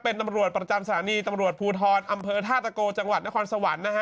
เป็นตำรวจประจำสถานีตำรวจภูทรอำเภอท่าตะโกจังหวัดนครสวรรค์นะฮะ